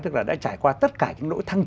tức là đã trải qua tất cả những nỗi trách nhiệm